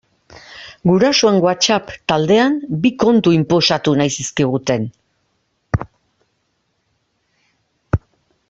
Gurasoen WhatsApp taldean bi kontu inposatu nahi zizkiguten.